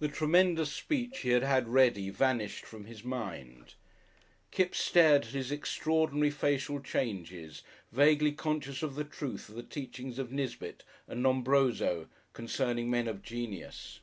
The tremendous speech he had had ready vanished from his mind. Kipps stared at his extraordinary facial changes, vaguely conscious of the truth of the teachings of Nisbet and Lombroso concerning men of genius.